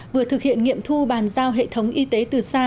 vừa thực hiện nghiệm thu bàn giao hệ thống y tế từ xa